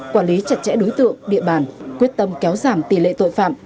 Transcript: quản lý chặt chẽ đối tượng địa bàn quyết tâm kéo giảm tỷ lệ tội phạm